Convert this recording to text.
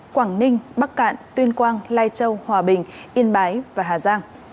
quảng ninh bắc cạn tuyên quang lai châu hòa bình yên bái và hà giang